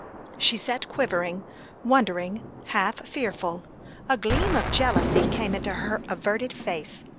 She sat quivering, wondering, half fearful. A gleam of jealousy came into her averted face.